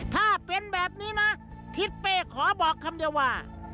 ถ้าเป็นแบบนี้นะทิศเป้ขอบอกคำเดียวว่า